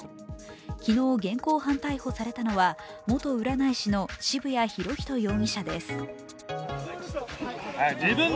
昨日、現行犯逮捕された元占い師の渋谷博仁容疑者です。